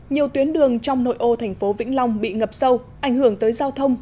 nhiều tuyến đường trong nội ô thành phố vĩnh long bị ngập sâu ảnh hưởng tới giao thông